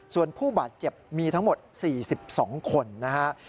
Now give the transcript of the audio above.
ส่วนผู้บาดเจ็บมีทั้งหมด๔๒คนนะครับ